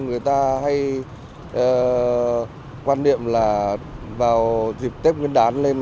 người ta hay quan niệm là vào dịp tết nguyên đán lên